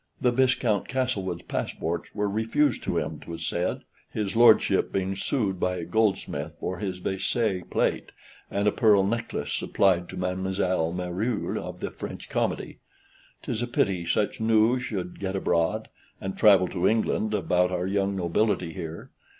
(The Viscount Castlewood's passports) were refused to him, 'twas said; his lordship being sued by a goldsmith for Vaisselle plate, and a pearl necklace supplied to Mademoiselle Meruel of the French Comedy. 'Tis a pity such news should get abroad (and travel to England) about our young nobility here.